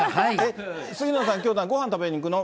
杉野さん、きょう、何、ごはん食べにいくの？